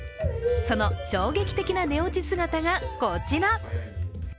その衝撃的な寝落ち姿がこちら。